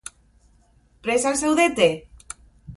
Prest al zaudete?